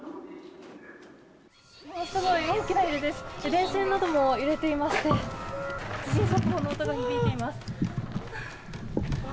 電線なども揺れていまして地震速報の音が響いています。